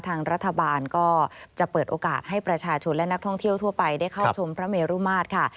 ทางรัฐบาลก็จะเปิดโอกาสให้ประชาชนและนักท่องเที่ยวทั่วไปได้เข้าชมพระเมรุมาตรค่ะ